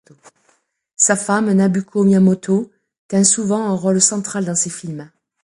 Sa femme Nobuko Miyamoto tient souvent un rôle central dans ses films.